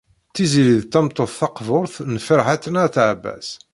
Tiziri d tameṭṭut taqburt n Ferḥat n At Ɛebbas.